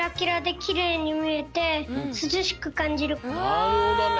なるほどね。